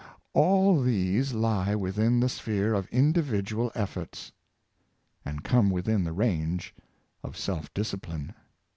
All these lie within the sphere of individual efforts, and come within the range of self discipline.